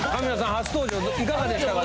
初登場でいかがでしたか？